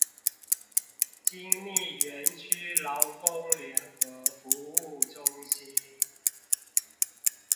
精密園區勞工聯合服務中心